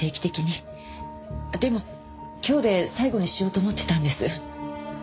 でも今日で最後にしようと思ってたんです。